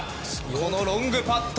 このロングパット